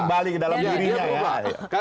kembali ke dalam dirinya ya